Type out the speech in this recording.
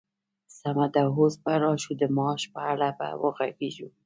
سمه ده، اوس به راشو د معاش په اړه به وغږيږو!